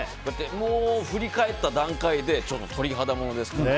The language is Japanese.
もう振り返った段階でちょっと鳥肌ものですから。